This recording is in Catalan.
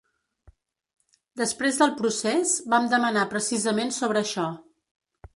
Després del procés, vam demanar precisament sobre això.